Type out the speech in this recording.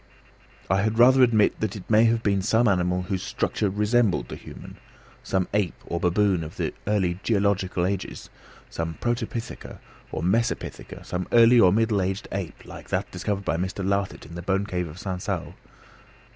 I had rather admit that it may have been some animal whose structure resembled the human, some ape or baboon of the early geological ages, some protopitheca, or some mesopitheca, some early or middle ape like that discovered by Mr. Lartet in the bone cave of Sansau.